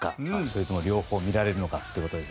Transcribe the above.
それとも、両方見られるのか。